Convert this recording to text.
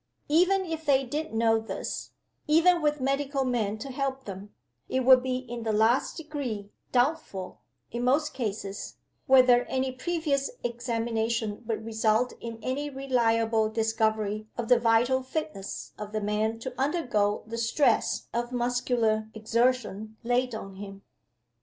Even if they did know this even with medical men to help them it would be in the last degree doubtful, in most cases, whether any previous examination would result in any reliable discovery of the vital fitness of the man to undergo the stress of muscular exertion laid on him.